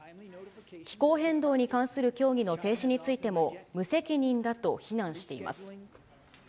気候変動に関する協議の停止についても、無責任だと非難しています。